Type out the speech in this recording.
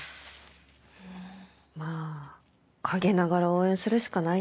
まぁ陰ながら応援するしかないね。